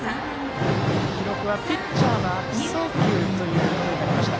記録はピッチャーの悪送球ということになりました。